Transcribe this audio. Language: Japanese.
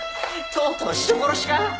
とうとう人殺しか？